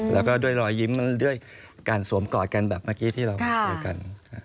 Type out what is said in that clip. แล้วก็ด้วยรอยยิ้มด้วยการสวมกอดกันแบบเมื่อกี้ที่เรามาเจอกัน